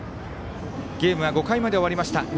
ゲームは５回まで終わりました。